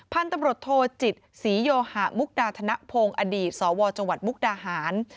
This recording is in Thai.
พันธุ์ตำรวจโทจิตศรีโยหะมุกดาธนพงศ์อดีตสวจังหวัดมุกดาหาร